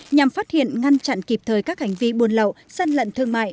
nhằm phát hiện ngăn chặn kịp thời các hành vi buôn lậu săn lận thương mại